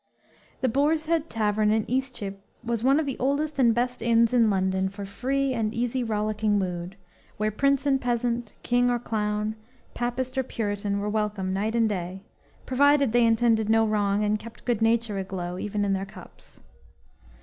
"_ The Boar's Head Tavern in Eastcheap was one of the oldest and best inns in London for free and easy rollicking mood, where prince and peasant, king or clown, papist or puritan were welcome night and day, provided they intended no wrong and kept good nature aglow even in their cups.